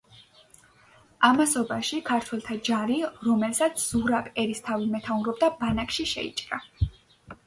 ამასობაში ქართველთა ჯარი, რომელსაც ზურაბ ერისთავი მეთაურობდა, ბანაკში შეიჭრა.